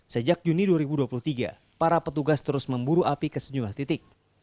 sejak juni dua ribu dua puluh tiga para petugas terus memburu api ke sejumlah titik